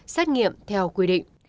sách nghiệm theo quy định